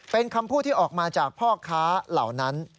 เป็นคำพูดที่ออกมาจากพ่อค้าเหล่านั้น